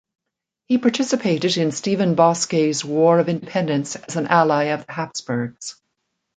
He participated in Stephen Bocskay's War of Independence as an ally of the Habsburgs.